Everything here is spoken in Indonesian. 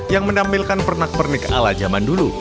yang menampilkan pernak pernik ala zaman dulu